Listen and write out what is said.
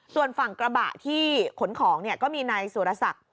ส่วนฝั่งกระบะที่ขนของเนี่ยก็มีนายสุรษัตริย์